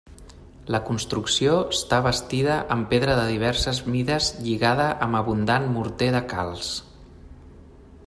La construcció està bastida amb pedra de diverses mides lligada amb abundant morter de calç.